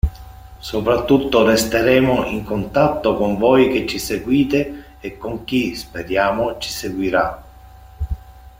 Soprattutto resteremo in contatto con voi che ci seguite e con chi (speriamo) ci seguirà.